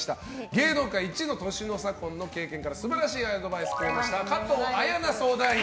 芸能界イチの年の差婚の経験から素晴らしいアドバイスをくれました加藤綾菜相談員。